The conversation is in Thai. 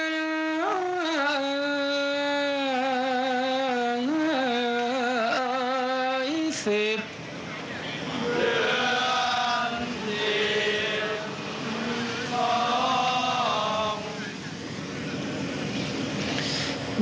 เยือนเทียมสัมพุทธ